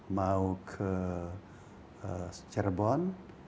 mau ke cirebon